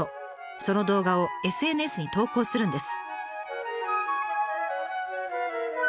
その動画をＳＮＳに投稿するんです。